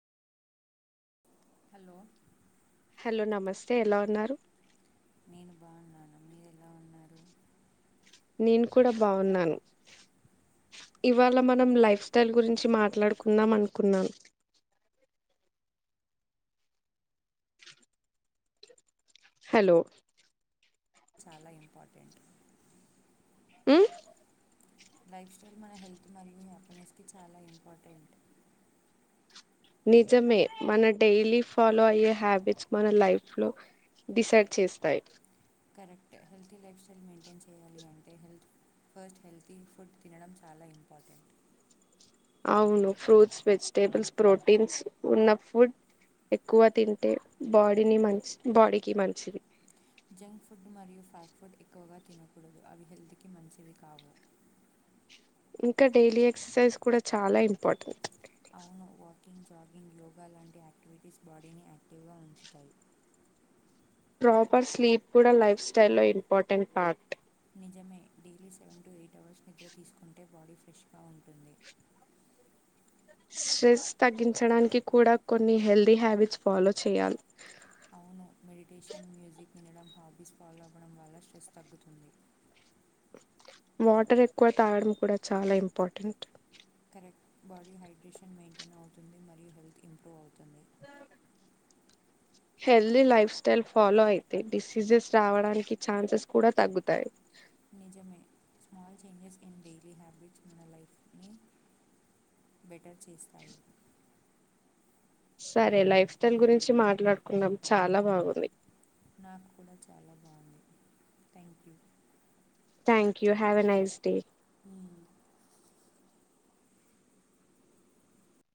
hello hello నమస్తే ఎలా ఉన్నారు నేను బాగున్నాను మీరెలా ఉన్నారు నేను కూడా బాగున్నాను ఇవ్వాళ మనం లైఫ్ స్టైల్ గురించి మాట్లాడుకుందాం అనుకున్నాను హలో చాలా ఇంపార్టెంట్ ఉమ్ లైఫ్ స్టైల్ మన హెల్త్ మరియు హ్యాపీనెస్ కి చాలా ఇంపార్టెంట్ నిజమే మన డేలీ ఫాలో అయ్యే హ్యాబిట్స్ మన లైఫ్ లో డిసైడ్ చేస్తాయి కరెక్టే హెల్తీ లైఫ్ స్టైల్ మెయింటైన్ చేయాలి అంటే హెల్త్ ఫస్ట్ హెల్తీ ఫుడ్ తినడం చాలా ఇంపార్టెంట్ అవును ఫ్రూట్స్ వెజిటేబుల్స్ ప్రోటీన్స్ ఉన్న ఫుడ్ ఎక్కువ తింటే బాడీని మంచ్ బాడీకి మంచిది జంక్ ఫుడ్ మరియు ఫాస్ట్ ఫుడ్ ఎక్కువగా తినకూడదు అవి హెల్త్కి మంచిది కావు ఇంకా డైలీ ఎక్సర్సైజ్ కూడా చాలా ఇంపార్టెంట్ అవును వాకింగ్ జాగింగ్ యోగా లాంటి యాక్టివిటీస్ బాడీని యాక్టివ్గా ఉంచుతాయి ప్రాపర్ స్లీప్ కూడ లైఫ్ స్టైల్ లో ఇంపార్టెంట్ పార్ట్ నిజమే daily seven to eight hours నిద్ర తీసుకుంటే బాడీ ఫ్రెష్గా ఉంటుంది స్ట్రెస్ తగ్గించడానికి కూడా కొన్ని హెల్దీ హ్యాబిట్స్ ఫాలో చేయాలి అవును మెడిటేషన్ మ్యూజిక్ వినడం హబీస్ ఫాలో అవ్వడం వల్ల స్ట్రెస్ తగ్గుతుంది వాటర్ ఎక్కువ తాగడం కూడా చాలా ఇంపోర్టెంట్ బాడీ హైడ్రేషన్ మెయింటైన్ అవుతుంది మరియు హెల్త్ ఇంప్రూవ్ అవుతుంది హెల్దీ లైఫ్ స్టైల్ ఫాలో అయితే డిసీజెస్ రావడానికి ఛాన్సెస్ కూడా తగ్గుతాయి నిజమే small changes in daily habits మన లైఫ్ని అటర్ చేస్తాయి సరే లైఫ్ స్టైల్ గురించి మాట్లాడుకున్నాం చాలా బాగుంది నాకు కూడా చాలా బాగుంది thank you thank you have nice day you